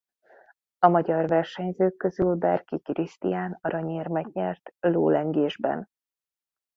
A magyar versenyzők közül Berki Krisztián aranyérmet nyert lólengésben.